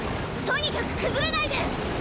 とにかく崩れないで！